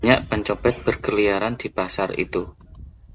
banyak pencopet berkeliaran di pasar itu